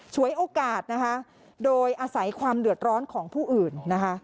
ฉวยโอกาสนะคะโดยอาศัยความเดือดร้อนของผู้อื่นนะคะ